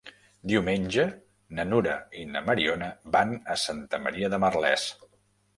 Diumenge na Nura i na Mariona van a Santa Maria de Merlès.